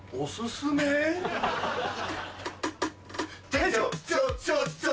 店長ちょちょちょ